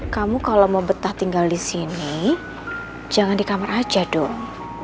kamu kalau mau betah tinggal di sini jangan di kamar aja dong